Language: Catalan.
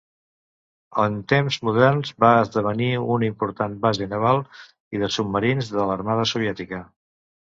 En temps moderns, va esdevenir una important base naval i de submarins de l'Armada soviètica.